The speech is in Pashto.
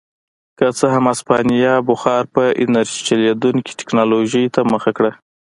که څه هم هسپانیا بخار په انرژۍ چلېدونکې ټکنالوژۍ ته مخه کړه.